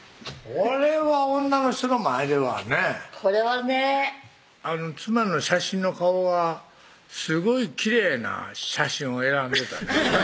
これは女の人の前ではねこれはね妻の写真の顔はすごいきれいな写真を選んでたね